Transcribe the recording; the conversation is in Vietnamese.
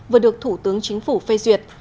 vừa được thủ tướng chính phủ phê duyệt